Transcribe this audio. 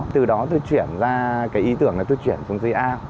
từ đó tôi chuyển ra cái ý tưởng là tôi chuyển xuống dây ao